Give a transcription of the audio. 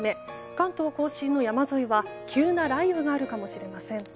関東・甲信の山沿いは急な雷雨があるかもしれません。